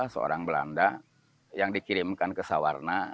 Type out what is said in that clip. seorang belanda yang dikirimkan ke sawarna